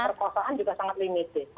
perkosaan juga sangat limited